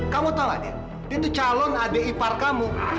kamu tahu ade dia itu calon adik ipar kamu